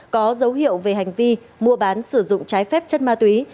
có dấu hiệu về hành vi mua bán sử dụng trái phép chất ma túy